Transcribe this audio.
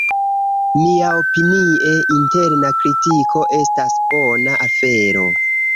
Miaopinie interna kritiko estas bona afero.